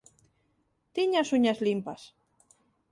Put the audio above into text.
Tiña as uñas limpas.